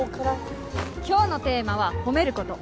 今日のテーマは褒めること。